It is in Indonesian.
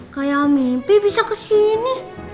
kayak mimpi bisa kesini